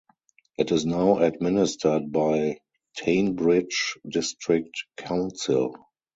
It is now administered by Teignbridge District Council.